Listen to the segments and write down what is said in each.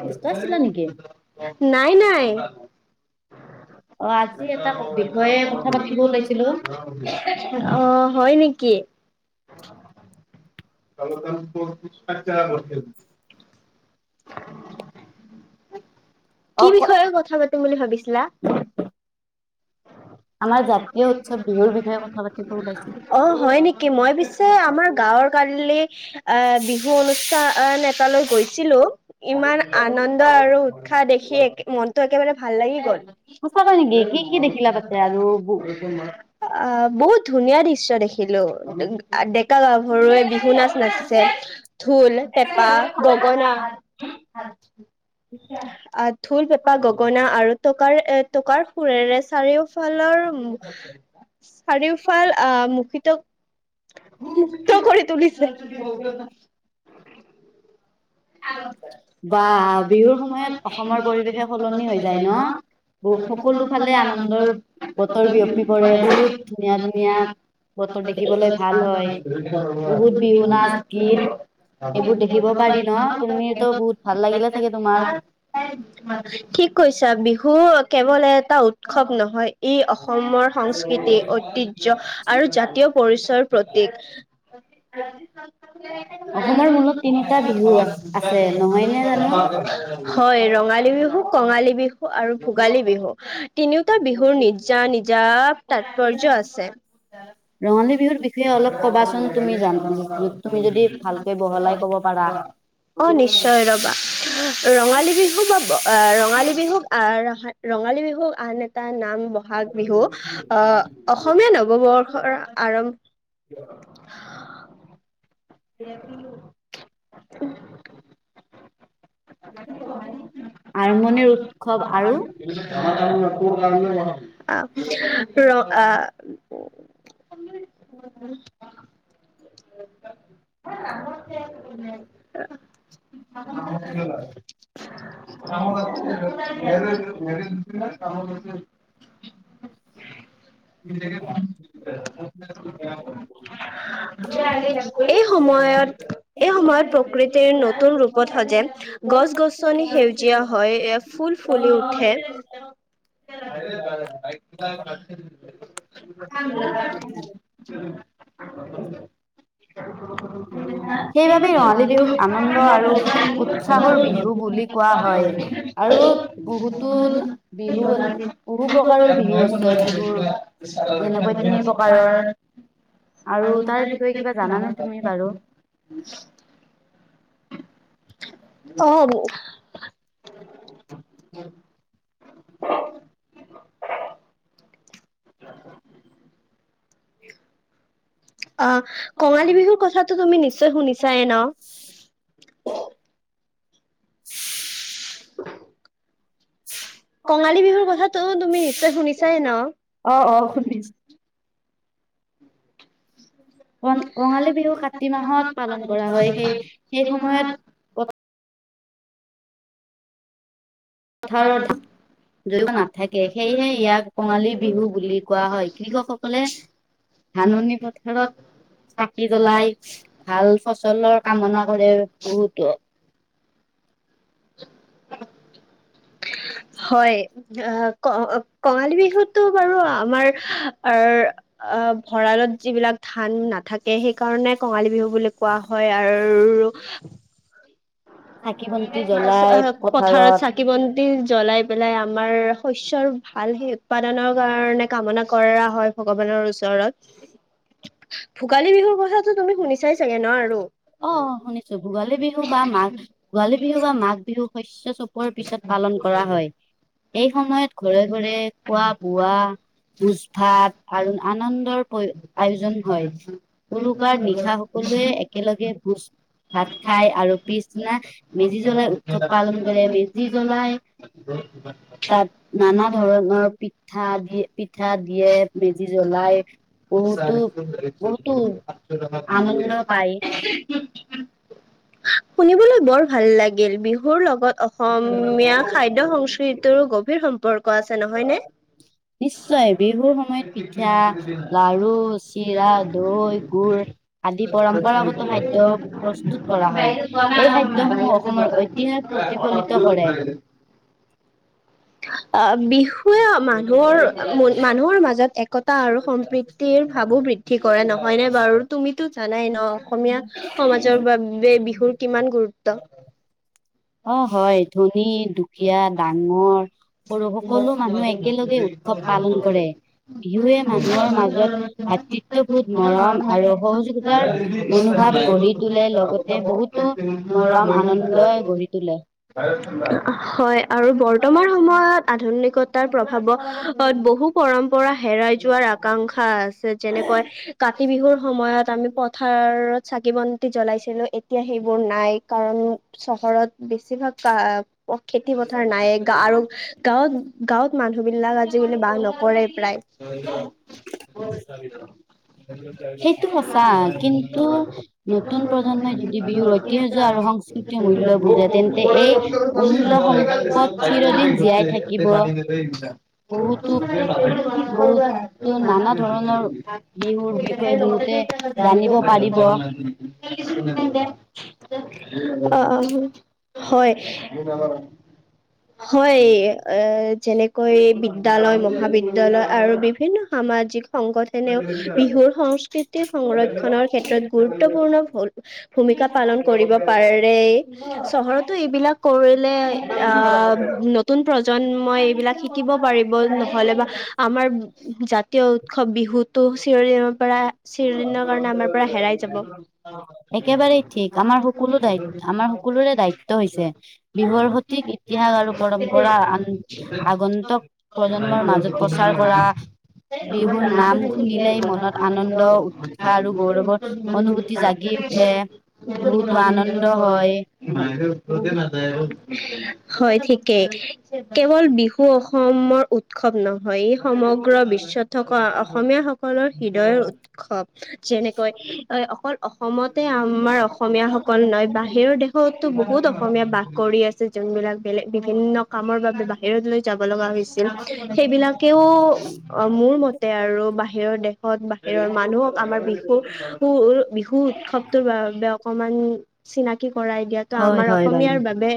ব্যস্ত আছিলা নেকি? নাই! নাই! [unintelligible] অ আজি এটা বিষয়ে কথা পাতিব লৈছিলো। অহ হয় নেকি? [unintelligible] অ কি ক- বিষয়ে কথা পাত তিম বুলি ভাবিছিলা? আমাৰ জাতীয় উৎসৱ বিহুৰ বিষয়ে। অ, হয় নেকি! কি মই পিছে আমাৰ গাঁৱৰ কালিলে আহ', বিহু অনুষ্ঠান এটালৈ গৈছিলো। ইমান আনন্দ আৰু উৎসাহ দেখি একে মনটো একেবাৰে ভাল লাগি গল। সঁচাকৈ নেকি! কি কি দেখিলা তাতে আৰু ব আ বহুত ধুনীয়া দৃশ্য দেখি খিলো ডেকা গাভৰুৱে বিহু নাচ নাচিছে। ঢোল, পেঁপা, গগনা আ ঢোল, পেঁপা, গগনা আৰু টকাৰ এ টকাৰ সুৰেৰে চাৰিওফালৰ চাৰিওফাল আহ মুহিত মূহিত কৰি তুলিছে। [unintelligible] [unintelligible] বাঃ বিহুৰ সময়ত অসমৰ বিষয়ে পৰিৱেশে [unintelligible] সলনি যায় ন? হৈ যায় বহু সকলো ন? ফালে সকলো আনন্দৰ ফালে বতৰ বিয়পি আনন্দ পৰে বহুত বতৰ ধুনীয়া বিয়পি ধুনীয়া পৰে, বতৰ [unintelligible] দেখিবলৈ ভাল হয় ধুনীয়া ধুনীয়া। বহুত বিহু [unintelligible] নাচ সেইবোৰ গীত দেখিব এইবোৰ দেখিব পাৰি পাৰি ন? তুমিতো [unintelligible] বহুত ভাল লাগিলে ঠিক চাগে তোমাৰ কৈছা বিহু কেৱল এটা উৎসৱ নহয়, ই অসমৰ সংস্কৃতি, ঐতিহ্য আৰু জাতীয় পৰিচয়ৰ প্ৰতিক। [unintelligible] [unintelligible] অসমৰ মূলত তিনিটা বিহু আছ- আছে নহয় নে জানো? হয় ৰঙালী বিহু কঙালী বিহু আৰু ভোগালী বিহু। তিনিওটা বিহুৰ নিজা নিজা তাৎপৰ্য আছে। [unintelligible] ৰঙালী বিহুৰ বিষয়ে অলপ কবাচোন তুমি জান তুমি যদি ভালকৈ বহলাই কব পাৰা। অ' নিশ্চয় ৰবা ৰঙালী বিহু বা আহ ৰঙালী বিহুক আহ ৰা ৰঙালী বিহু আন এটা নাম বহাগ বিহু। অ', অসমীয়া নৱবৰ্ষৰ আৰম্ [unintelligible] [unintelligible] আৰম্ভণিৰ উৎসৱ আৰু [unintelligible] ৰ আ [unintelligible] [unintelligible] [unintelligible] সময়ত এই সময়ত প্ৰকৃতিৰ নতুন ৰূপত সজে গছ গছনি সেউজ জীয়া হয় এয়া ফুল ফুলি উঠে। [unintelligible] [unintelligible] সেইবাবেই ৰঙালী বিহুক আনন্দ আৰু [unintelligible] উৎসাহৰ বিহু বুলি কোৱা হয় আৰু [unintelligible] বহুতো বিহু বহু প্ৰকাৰৰ বিহু [unintelligible] আছে বিহু যেনেকৈ তিনি প্ৰকাৰৰ [unintelligible] আৰু তাৰ বিষয়ে কিবা জানানে তুমি বাৰু। অহ [inaudible] [inaudible] অ', কঙালী বিহুৰ কথাটো তুমি নিশ্চয় শুনিছাই ন। কঙালী বিহুৰ কথাটো তুমি নিশ্চয় শুনিছাই ন। অ অ শুনিছো ক কঙালী বিহু কাতি মাহত পালন কৰা হয় সেই সেই সময়ত পথাৰত [inaudible] [unintelligible] [unintelligible] জড়িত নাথাকে সেয়েহে ইয়াক কঙালী বিহু বুলি কোৱা হয় কৃষকসকলে ধাননি পথাৰত থাকি চাকি পেলাই জ্বলাই ভাল ফলাফলৰ [unintelligible] কামনা কৰে হয় আহ ক কঙালী বিহুটো বাৰু আমাৰ অহ ভঁৰালত যিবিলাক ধা ধান নাথাকে সেইকাৰণে কঙালী বিহু বুলি কোৱা হয় আৰু চাকি বন্তি জ্বলাই পথাৰত চাকি বন জ্বলাই পেলাই আমাৰ শস্যৰ ভাল সেই উৎপাদনৰ কাৰণে কামনা কৰা হয় ভগৱানৰ ওচৰত [inaudible] ভোগালী বিহুৰ কথাতো তুমি শুনিচাই চাগে ন আৰু অহ শুনিছো ভোগালী বিহু বা মাঘ ভোগালী বিহু বা মাঘ বিহু শস্য চপোৱাৰ পিছত পালন কৰা হয় এই সময়ত ঘৰে ঘৰে খোৱা বোৱা ভোজ ভাত আৰু আনন্দৰ আয়োজন হয় উৰুকাৰ নিশা সকলোৱে একেলগে ভোজ- ভাত খাই আৰু পিছদিনা মেজি জ্বলাই উৎসৱ পালন কৰে, মেজি জ্বলাই, তাত নানা ধৰণৰ পিঠা দিয়ে, পিঠা দিয়ে, মেজি জ্বলাই বহুতো চন বহুতো আনন্দ পায় [unintelligible] শুনিবলৈ বৰ ভাল লাগিল, বিহুৰ লগত অসমীয়া খাদ্য সংস্কৃতিৰো গভীৰ সম্পৰ্ক আছে, নহয়নে? [inaudible] নিশ্চয়, বিহুৰ সময়ত পিঠা, লাৰু, চিৰা, দৈ, গুৰ আদি পৰম্পৰাগত খাদ্য প্ৰস্তুত কৰা হয়। এই খাদ্য সমূহ অসমৰ ঐতিহাস প্ৰতিফলিত কৰে। আ বিহু মানুহৰ, মানুহৰ মাজত একতা আৰু সম্প্ৰীতিৰ ভাবো বৃদ্ধি কৰে, নহয়নে বাৰু তুমি টো জানাই ন, অসমীয়া সমাজৰ বাবে বিহুৰ কিমান গুৰুত্ব। অ', হয়, ধনী, দুখীয়া, ডাঙৰ সৰু সকলো মানুহ একেলগে উৎসৱ পালন কৰে, বিহুৱে মানুহৰ মাজত ভাতৃত্ববোধ মৰম আৰু সহযোগিতাৰ মনোভাৱ গঢ়ি তোলে। লগতে বহুত টো মৰম আনন্দই গঢ়ি তোলে। হয় আৰু বৰ্তমান সময়ত আধুনিকত তাৰ প্ৰভাৱত বহু পৰম্পৰা হেৰাই যোৱাৰ আকাংক্ষা আছে যেনেকৈ কাতি বিহুৰ সময়ত আমি পথাৰত চাকি বন্তি জ্বলাইছিলোঁ, এতিয়া সেইবোৰ নাই। কাৰণ চহৰত বেছিভাগ কা খেতি পথাৰ নাইয়ে, গা, আৰু গাঁৱত গাঁৱত মানুহ বিলাক আজিকালি বাস নকৰে প্ৰায় সেইটো সঁচা কিন্তু নতুন প্ৰজন্মই যদি বিহুৰ [unintelligible] [unintelligible] ঐতিহ্য আৰু সংস্কৃতিৰ মূল্য বুজে [unintelligible] তেন্তে এই অমূল্য পান সম্পদ চিৰদিন জীয়াই [unintelligible] থাকিব নান বহুতো ধৰণৰ বহুতো নানা ধৰণৰ জানিব বিহুৰ বিষয়ে বহুতে পাৰিব জানিব পাৰিব [unintelligible] [unintelligible] অ', হয়। হয়, এ, যেনেকৈ বিদ্যালয়, মহাবিদ্যালয় আৰু বিভিন্ন সামাজিক সংগত এনেও বিহুৰ সংস্কৃতি সংৰক্ষণৰ ক্ষেত্ৰত গুৰুত্বপূৰ্ণ ভুল ভূমিকা পালন কৰিব পাৰে, চহৰতো এইবিলাক কৰিলে, আ নতুন প্ৰজন্মই এইবিলাক শিকিব পাৰিব, ন'হলে বা আমাৰ জাতীয় উৎসৱ বিহুতো চিৰদিনৰ পৰা চিৰদিনৰ কাৰণে আমাৰ পৰা হেৰাই যাব। একেবাৰেই ঠিক আমাৰ সকলো দায়িত, আমাৰ সকলোৰে দায়িত্ব হৈছে বিহুৰ সঠিক ইতিহাস আৰু পৰম্পৰা আন আগন্তক প্ৰজন্মৰ মাজত প্ৰচাৰ কৰা বিহুৰ নাম [unintelligible] শুনিলেই মনত আনন্দ উৎসাহ আৰু গৌৰৱৰ অনুভূতি জাগি উঠে [unintelligible] বহুতো আনন্দ হয় ম- বহুত [unintelligible] হয় ঠিকেই, কেৱল বিহু অসমৰ উৎসৱ নহয় সমগ্ৰ বিশ্বত থকা অসমীয়াসকলৰ হৃদয়ৰ উৎসৱ, যেনেকৈ হয়, অকল অসমতে আ আমাৰ অসমীয়াসকল নাইবা বাহিৰৰ দেশতো বহুত অসমীয়া বাস কৰি আছে। যোনবিলাক বেলেগ বিভিন্ন কামৰ বাবে বাহিৰলৈ যাব লগা হৈছিল, সেইবিলাকেও অ, মোৰ মতে আৰু বাহিৰৰ দেশত, বাহিৰৰ মানুহক আমাৰ বিহুৰ ৰ, বিহু উৎসৱটো বাবে অকণমান চিনাকি কৰাই দিয়াত। ত' হয় আমাৰ হয় বাৰু অসমীয়াৰ বাবে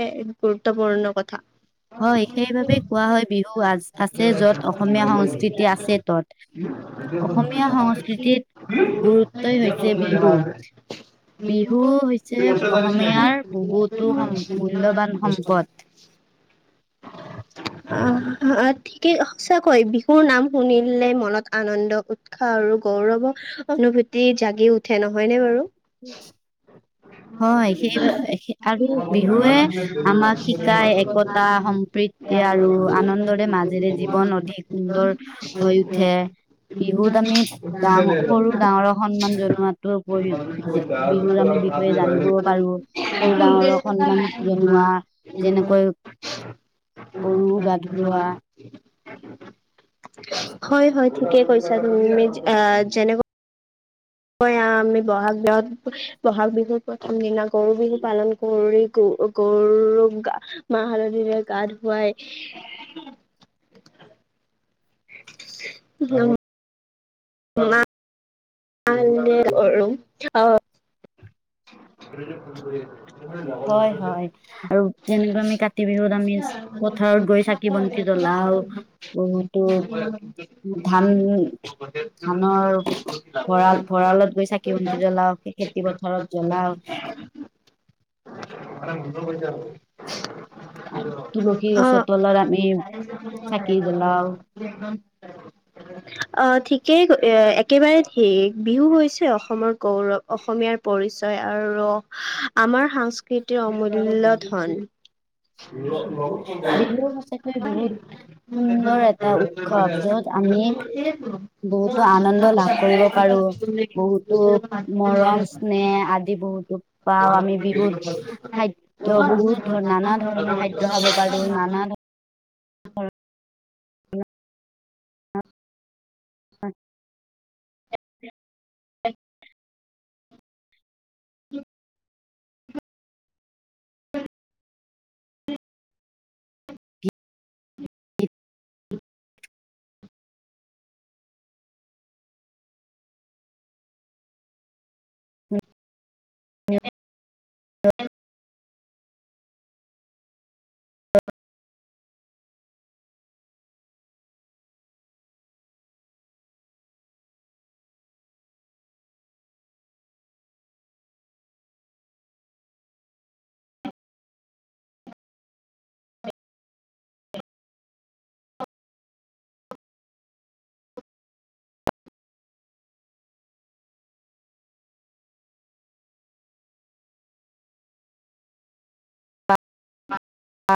গুৰুত্বপূৰ্ণ কথা। হয়, সেইবাবেেই কোৱা হয়, বিহু আ-আছে য'ত অসমীয়া সংস্কৃতি আছে ত'ত। অসমীয়া সংস্কৃতিত গুৰুত্বই হৈছে বিহু। বিহু হৈছে, অসমীয়াৰ বহুতো মূল্যবান সম্পদ। [inaudible] [unintelligible] কি সঁচাকৈ বিহুৰ, নাম শুনিলে মনত আনন্দ উৎসাহ আৰু গৌৰৱৰ অনুভূতি জাগি উঠে নহয়নে, বাৰু [inaudible] হয়, সেই আৰু বিহুৱে আমাক শিকায় একতা, সম্প্ৰীত এয়া আৰু আনন্দৰে মাজেৰে জীৱন অধিক সুন্দৰ হৈ উঠে। বিহুত আমি, ডাঙ, সৰু ডাঙৰক সন্মান জনোৱাতো প্ৰয় বিহুৰ আমি বিষয়ে, জানিবও পাৰো সৰু ডাঙৰক সন্মান জনোৱা, যেনেকৈ গৰু গা, ধোৱা হয়, হয়, ঠিকে কৈছা তুমি, যেনেকা আহ, আমি বহাগ ব'হাগ বিহুৰ প্ৰথম দিনা গৰু বিহু পালন [unintelligible] মাহ হালধিৰে, গা ধুৱাই। [inaudible] মাহ [inaudible] [unintelligible] হয়, হয় আৰু যেনেকুৱা আমি [inaudible] আমি পথাৰত গৈ চাকি-বন্তি জ্বলাও, বহুতো ধান-ধানৰ ভঁৰাল, ভঁৰালত গৈ চাকি-বন্তি জলাওগে। খেতি পথাৰত জলাও। [unintelligible] অ, [unintelligible] তুলসী গছৰ তলত আমি চাকি জ্বলাও অ, ঠিকেই একেবাৰে সেইয়েই বিহু হৈছে অসমৰ গৌৰৱ, অসমীয়াৰ পৰিচয়। আৰু আমাৰ সংস্কৃতি অমূল্য ধন। বিহু সঁচাকৈ বহুত সুন্দৰ এটা উৎসৱ য'ত আমি [unintelligible] [unintelligible] বহুতো আনন্দ লাভ কৰিব পাৰো, বহুতো মৰম স্নেহ আদি। বিহুতো পাওঁ, আমি বিহুত খাদ্য বহুত ধৰনৰ নানা, ধৰণৰ খাদ্য খাব পাৰো, নানা ধৰ [inaudible] [inaudible] [inaudible] আ